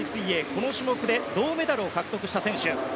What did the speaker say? この種目で銅メダルを獲得した選手。